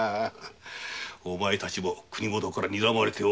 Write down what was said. お前たちも国もとからにらまれておる。